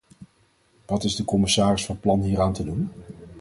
Wat is de commissaris van plan hieraan te doen?